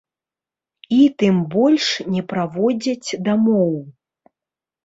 І тым больш, не праводзяць дамоў!